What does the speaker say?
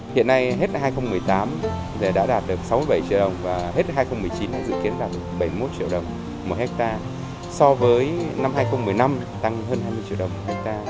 hiện nay hết hai nghìn một mươi tám đã đạt được sáu mươi bảy triệu đồng và hết hai nghìn một mươi chín dự kiến là bảy mươi một triệu đồng một hectare so với năm hai nghìn một mươi năm tăng hơn hai mươi triệu đồng một hectare